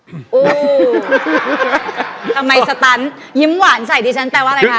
ทำไมสตันยิ้มหวานใส่ดิฉันแปลว่าอะไรคะ